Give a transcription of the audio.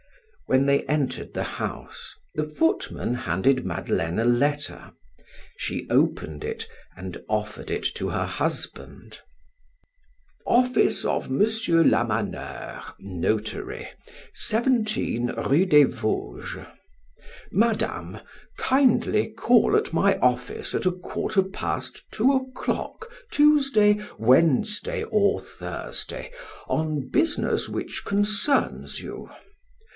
When they entered the house, the footman handed Madeleine a letter. She opened it and offered it to her husband. "OFFICE OF M. LAMANEUR, Notary. 17 Rue des Vosges," "Madame: Kindly call at my office at a quarter past two o'clock Tuesday, Wednesday, or Thursday, on business which concerns you."